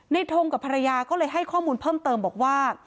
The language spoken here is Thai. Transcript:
ทงกับภรรยาก็เลยให้ข้อมูลเพิ่มเติมบอกว่า